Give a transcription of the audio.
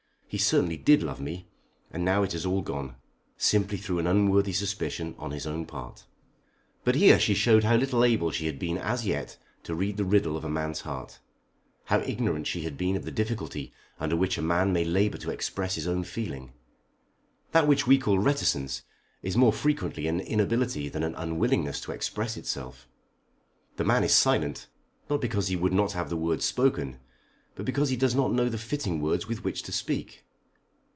He certainly did love me, and now it has all gone, simply through an unworthy suspicion on his own part." But here she showed how little able she had been as yet to read the riddle of a man's heart, how ignorant she had been of the difficulty under which a man may labour to express his own feeling! That which we call reticence is more frequently an inability than an unwillingness to express itself. The man is silent, not because he would not have the words spoken, but because he does not know the fitting words with which to speak.